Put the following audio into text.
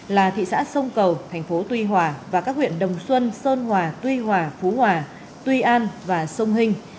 là thị xã sông cầu thành phố tuy hòa và các huyện đồng xuân sơn hòa tuy hòa phú hòa tuy an và sông hình